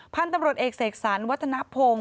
พันธุ์ตำรวจเอกเสกสรรวัฒนภง